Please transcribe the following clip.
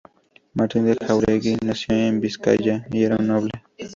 Martín de Jáuregui nació en Vizcaya y era un noble.